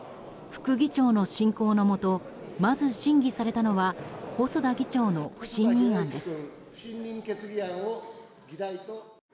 副議長の進行のもとまず審議されたのは細田議長の不信任案です。